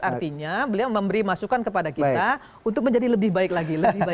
artinya beliau memberi masukan kepada kita untuk menjadi lebih baik lagi